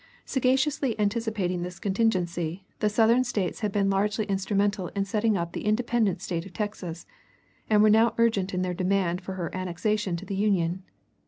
Sagaciously anticipating this contingency, the Southern States had been largely instrumental in setting up the independent State of Texas, and were now urgent in their demand for her annexation to the Union.